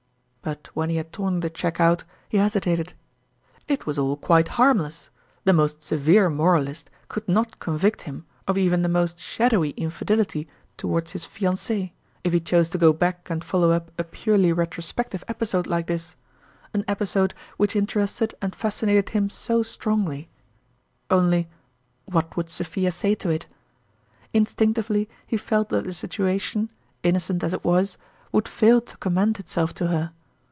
But when he had torn the cheque out, he (Eotirmaiin's first CSIIjeqtie. 45 hesitated. It was all quite harmless : the most severe moralist could not convict him of even the most shadowy infidelity toward \\\$> fiancee, if he chose to go back and follow up a purely retrospective episode like this an episode which interested and fascinated him so strongly only, what would Sophia say to it? In stinctively he felt that the situation, innocent as it was, would fail to commend itself to her.